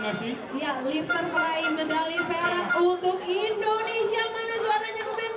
mana suaranya pemimpin para